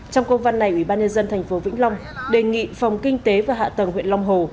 trong công văn này ủy ban nhân dân tp vĩnh long đề nghị phòng kinh tế và hạ tầng huyện long hồ